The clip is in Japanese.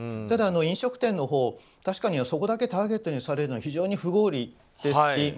ただ飲食店、確かにそこだけターゲットにされるのは非常に不合理。